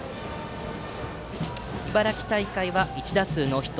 茨城大会は１打数ノーヒット。